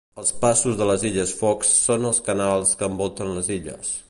Els passos de les Illes Fox són els canals que envolten les illes.